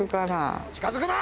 近づくな！